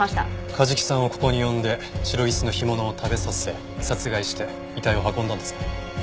梶木さんをここに呼んでシロギスの干物を食べさせ殺害して遺体を運んだんですね。